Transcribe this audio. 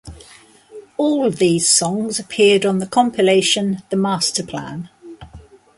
All these songs appeared on the compilation "The Masterplan".